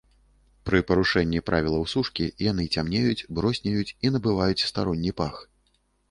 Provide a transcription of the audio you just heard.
Пры парушэнні правілаў сушкі яны цямнеюць, броснеюць і набываюць старонні пах.